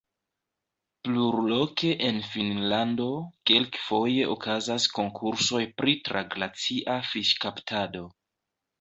Plurloke en Finnlando kelkfoje okazas konkursoj pri traglacia fiŝkaptado.